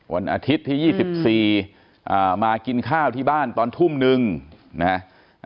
วันอาทิตย์ที่๒๔มากินข้าวที่บ้านตอนทุ่มนึงนะฮะ